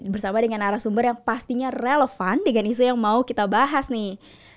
bersama dengan arah sumber yang pastinya relevan dengan isu yang mau kita bahas nih